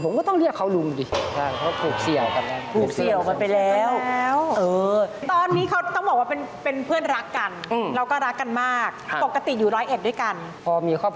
ผมก็ต้องเรียกเขาลุงดิ